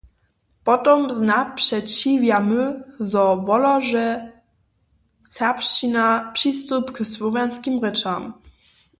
Potom znapřećiwjamy, zo wolóža serbšćina přistup k słowjanskim rěčam.